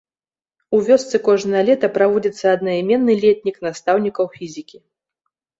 У вёсцы кожнае лета праводзіцца аднаіменны летнік настаўнікаў фізікі.